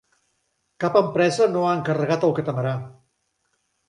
Cap empresa no ha encarregat el catamarà.